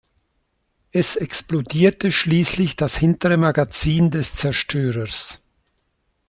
Es explodierte schließlich das hintere Magazin des Zerstörers.